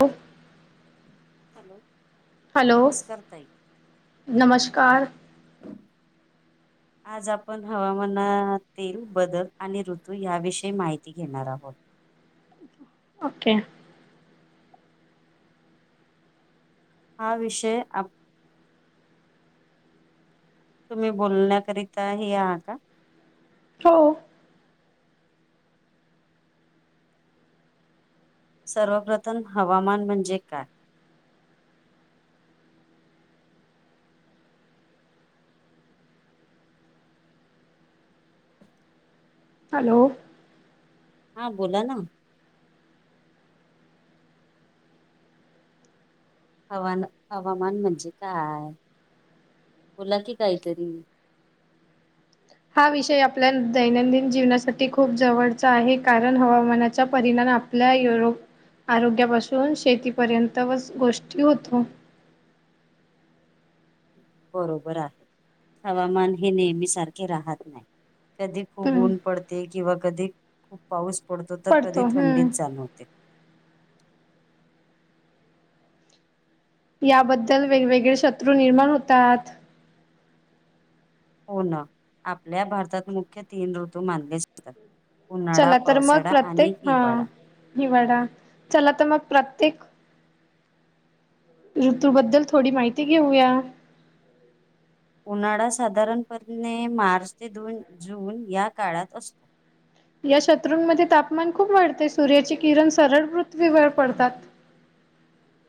हो hello hello नमस्कार ताई नमस्कार [unintelligible] आज आपण हवामानातील बदल आणि ऋतू याविषयी माहिती घेणार आहोत ओके हा विषय आप तुम्ही बोलण्याकरिता हे आह का हो सर्वप्रथम हवामान म्हणजे काय हॅलो हा बोला ना हवान हवामान म्हणजे काय मुला की काहीतरी हा विषय आपल्या दैनंदिन जीवनासाठी खूप जवळचा आहे कारण हवामानाच्या परिणाम आपल्या आरोग्यापासून शेतीपर्यंत गोष्टी होतो बरोबर आहे हवामान हे नेहमी सारखे राहत नाही कधी खूप हम्म ऊन पडते किंवा कधी खूप पाऊस पडतो तर कधी थंडीत चालव्हते याबद्दल वेगवेगळे शत्रू निर्माण होतात होण आपल्या भारतात मुख्य तीन ऋतू मानले जातात उन्हाळा, चला तर मग पावसाळा आणि प्रत्येक हा हिवाळा. निवाडा चला तर मग प्रत्येक ऋतू बद्दल थोडी माहिती घेऊया उन्हाळा साधारणपणेणे मार्च ते द जून या काळात असतो या शत्रूंमध्ये तापमान खूप वाढते सूर्याचे किरण सरळ पृथ्वीवर पडतात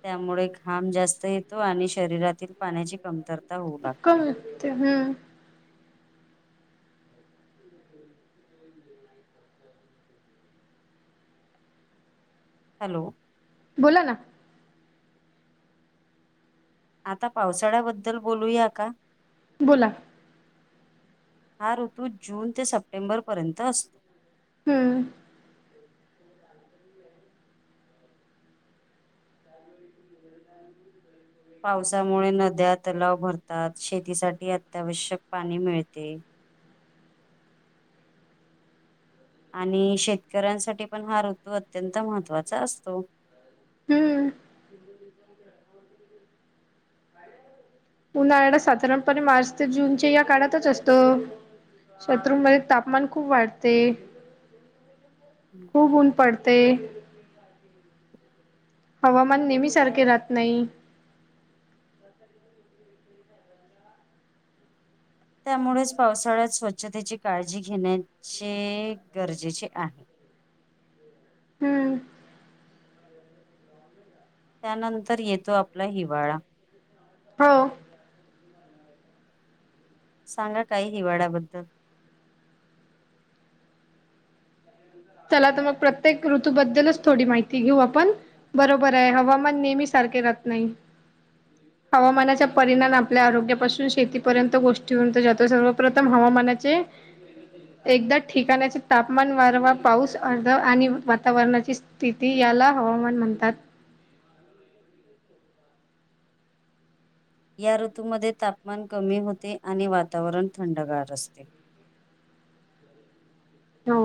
त्यामुळे खांब जास्त येतो आणि शरीरातील पाण्याची कमतरता होऊ त कम लागते. होते हम् हॅलो बोला ना आता पावसाळ्याबद्दल बोलूया का बोला हा ऋतू जून ते सप्टेंबरपर्यंत असतो हम्म पावसामुळे नद्या तलाव भरतात शेतीसाठी अत्यावश्यक पाणी मिळते आणि शेतकऱ्यांसाठी पण हा ऋतू अत्यंत महत्त्वाचा असतो [inaudible] हम्म उन्हाळा साधारणपणे मार्च ते जूनच्या या काळातच असत शत्रूमध्ये तापमान खूप वाढते खूप ऊन पडते हवामान नेहमी सारखे राहत नाही त्यामुळेच पावसाळ्यात स्वच्छतेची काळजी घेण्याचे गरजेचे आहे हम्म त्यानंतर येतो आपला हिवाळा हो सांगा काय हिवाळ्याबद्दल चला तर मग प्रत्येक ऋतूबद्दलच थोडी माहिती घेऊ आपण बरोबर आहे हवामान नेहमी स कर के रत् नाही [inaudible] हवामानाचा परिणाम आपल्या आरोग्यापासून शेतीपर्यंत गोष्टी उंत जातो सर्वप्रथम हवामानाचे [inaudible] एकदा ठिकाण्याचे तापमान वारवा पाऊस अर्ध आणि वातावरणाची स्थिती याला हवामान म्हणतात या ऋतूमध्ये तापमान कमी होते आणि वातावरण थंडगार असते [inaudible] हो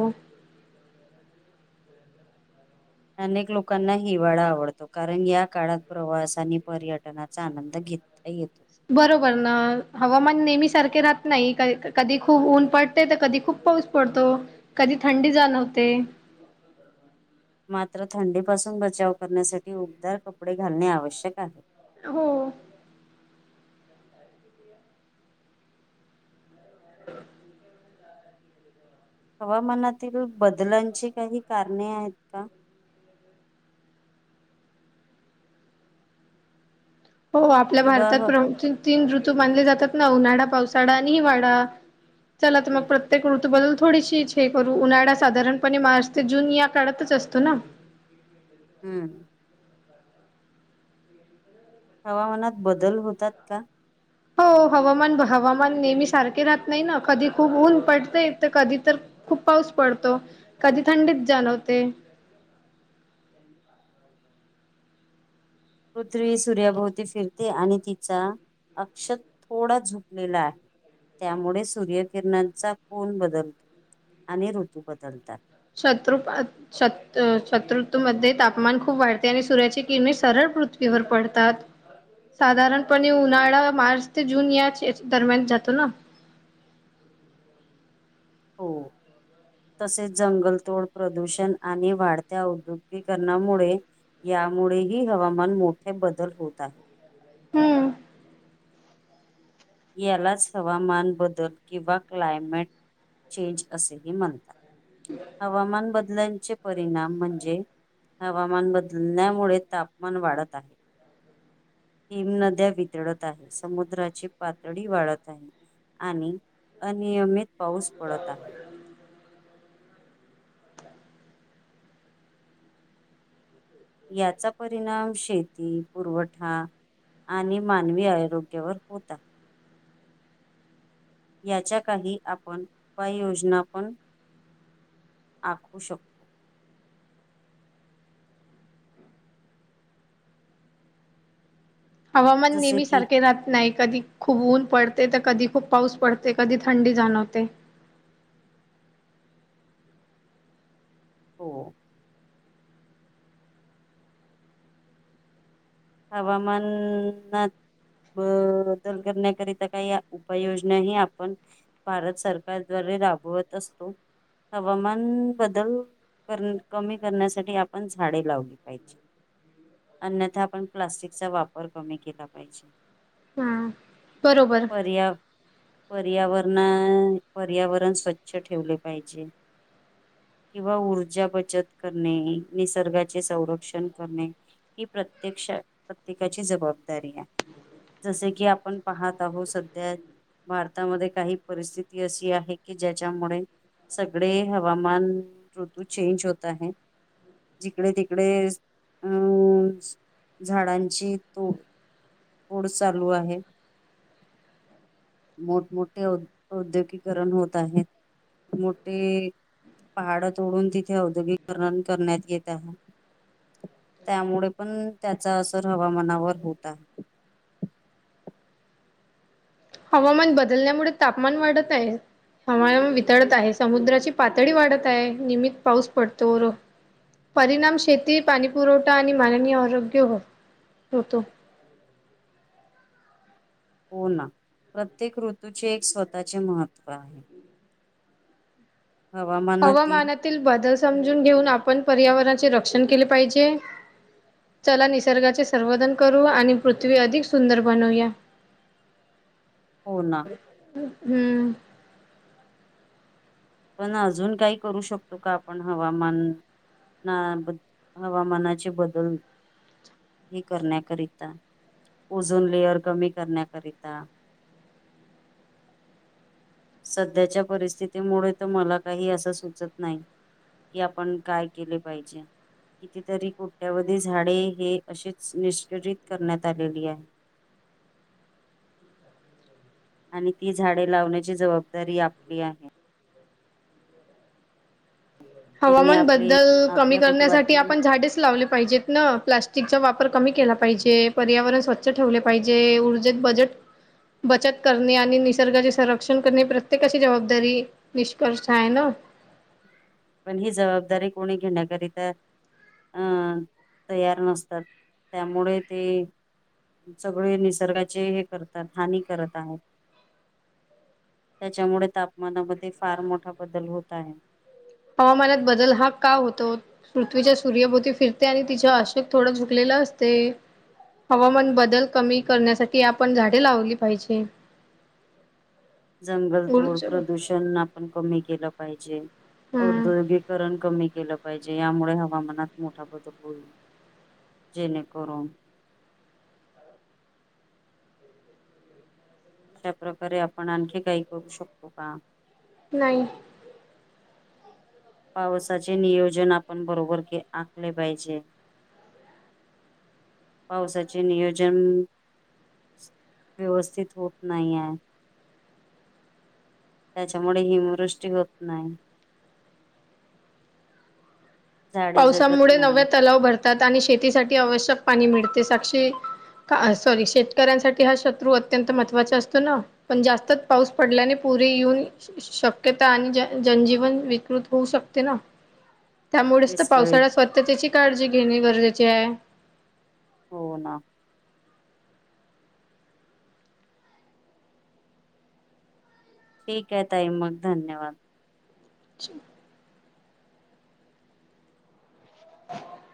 अनेक लोकांना हिवाळा आवडतो कारण या काळात प्रवासानी पर्यटनाचा आनंद घेत य येत बरोबर ना हवामान नेहमी सारखे राहत नाही कधी खूप ऊन पडते तर कधी खूप पाऊस पडतो कधी थंडी जाणवते [inaudible] मात्र थंडीपासून बचाव करण्यासाठी उबदार कपडे घालणे आवश्यक आहे हो हवामानातील बदलांची काही कारणे आहेत का हो आपल्या किंवा ह- भारतात तीन ऋतू मानले जातात उन्हाळा पावसाळा आणि हिवाडा चला तर मग हं प्रत्येकृ बदल थोडीशी हे करू उन्हाळा साधारणपणे मार्च ते जून या काळातच असतो ना हम्म हवामानात बदल होतात का हो हवामान हवामान नेहमी सारखे राहत नाही ना कधी खूप ऊन पडते तर कधी तर खूप पाऊस पडतो कधी थंडीत जाणवते ह पृथ्वी सूर्याभोवती फिरते आणि तिचा अक्षत थोडा झुपलेला आहे त्यामुळे सूर्यकिरणांचा कोण बदलतो आणि ऋतू बदलतात शत्रु शत्रु मध्ये तापमान खूप वाढते आणि सूर्याची किरणी सरळ पृथ्वीवर पडतात साधारणपणे उन्हाळा मार्च ते जून या दरम्यान जातो ना हो तसेच जंगलतोड प्रदूषण आणि वाढत्या औद्योगीकरणामुळे यामुळे ह हवामान मोठे बदल होत आहे हम्म यालाच हवामान बदल किंवा क्लायमेट चेंज असेही म्हणतात हवामान बदलांचे परिणाम म्हणजे हवामान बदलण्यामुळे तापमान वाढत आहे हिमनद्या वितळत आहे समुद्राची पातळी वाढत आहे आणि अनियमित पाऊस पडत आहे याचा परिणाम शेती पुरवठा आणि मानवी आरोग्यावर होत आहे याच्या काही आपण उपाययोजना पण आखू शकतो हवामान जसे नेहमी की सारखे राहत नाही कधी खुपून पडते तर कधी खूप पाऊस पडते कधी थंडी जाणवते हो हवामान बदल करण्याकरिता काही उपाययोजना ह आपण भारत सरकार दवार रावत असतो हवामान बदल कमी करण्यासाठी आपण झाडे लावली पाहिजे अन्यथा आपण प्लास्टिकचा वापर कमी केला पाहिजे हा बरोबर पर्या पर्यावरणा पर्यावरण स्वच्छ ठेवले पाहिजे किंवा ऊर्जा बचत करणे निसर्गाचे संरक्षण करणे हि प्रत्यक्ष प्रत्येकाची जबाबदारी आहे जसे की आपण पाहत आहो सध्या भारतामध्ये काही परिस्थिती अशी आहे की ज्याच्यामुळे सगळे हवामान ऋतू चेंज होत आहे जिकडे तिकडे अ झाडांची तूड फोड चालू आहे मोठमोठे औद्योगकरण होत आहेत मोठे पहाड तोडून तिथे औद्योगिकण करण्यात येत आहे त्यामुळे पण त्याचा असर हवामानावर होत आहे हवामान बदलण्यामुळे तापमान वाढत आहे हमा वितळत आहे समुद्राची पातळी वाढत आहे निहमीित पाऊस पडतो र परिणाम शेती पाणीपुरवठा आणि मालनी आरोग्य होतो. हो ना प्रत्येक ऋतूचे एक स्वतःचे महत्त्व आहे [unintelligible] हवामानातील बदल समजून घेऊन आपण पर्यावरणाचे रक्षण केले पाहिजे चला निसर्गाचे संर्वधन करू आणि पृथ्वी अधिक सुंदर बनवूया [unintelligible] ना हम्म पण अजून काही करू शकतो का आपण हवामान ना हवामानाचे बदल हे करण्याकरिता उजून लेअर कमी करण्याकरिता सध्याच्या परिस्थितीमुळे तर मला काही असं सुचत नाही कि आपण काय केले पाहिजे कितीतरी कोट्यावधी झाडे हे अशीच निष्कयित करण्यात आलेली आहे [unintelligible] आणि ती झाडे लावण्याची जबाबदारी आपली आहे त्याने हवामान आपली बद्दल कमी आपल्या करण्यासाठी कुटुंबातील आपण झाडेच लावले पाहिजेत न प्लास्टिकचा वापर कमी केला पाहिजे पर्यावरण स्वच्छ ठेवले पाहिजे ऊर्जेत बजेट बचत करणे आणि निसर्गाचे संरक्षण करणे प्रत्येकाची जबाबदारी निष्कर्ष आहे ना पण ही जबाबदारी कोणी घेण्याकरीता अं तयार नसतात त्यामुळे ते सगळे निसर्गाचे हे करतात हानी करत आहेत त्याच्यामुळे तापमानामध्ये फार मोठा बदल होत आहे हवामानात बदल हा का होतो पृथ्वीच्या सूर्यभोती फिरते आणि तिच्या अशोक थोडं झुकलेलं रस्ते हवामान बदल कमी करण्यासाठी आपण झाडे लावली पाहिजे जंगल तोड गुरुच प्रदूषण आपण कमी केलं पाहिजे हम्म औद्योगिककरण कमी केलं पाहिजे यामुळे हवामानात मोठा बदल होईल जेणेकरून अशा प्र्रकारे आपण आणखी काई करू शकतो का नाही पावसाचे नियोजन आपण बरोबर के आखले पाहिजे पावसाचे नियोजन व्यवस्थित होत नाही आहे त्याच्यामुळे हिमवृष्टी होत नाही झाडे जगत पावसामुळे नव्या नाही तलाव भरतात आणि शेतीसाठी आवश्यक पाणी मिळते साक्षी सॉरी शेतकऱ्यांसाठी हा शत्रू अत्यंत महत्त्वाचा असतो ना पण जास्तच पाऊस पडल्याने पुरे येऊन शक्यता आणि जनजीवन विकृत होऊ शकते ना त्यामुळेच तर विस्कळीत पावसाळ्यात स्वच्छतेची काळजी घेणे गरजेचे आहे हो ना ठीक आहे ताई मग धन्यवाद च ह